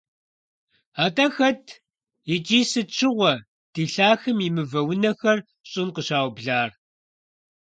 АтIэ хэт икIи сыт щыгъуэ ди лъахэм и мывэ унэхэр щIын къыщаублар?